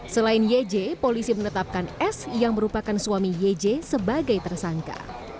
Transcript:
selain yj polisi menetapkan s yang merupakan suami yeje sebagai tersangka